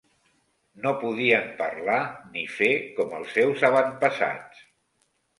No podien parlar ni fer com els seus avantpassats.